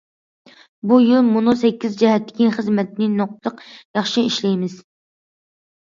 بۇ يىل مۇنۇ سەككىز جەھەتتىكى خىزمەتنى نۇقتىلىق ياخشى ئىشلەيمىز.